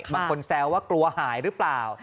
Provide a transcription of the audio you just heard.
บางคนแซวว่ากลัวหายหรือเปล่า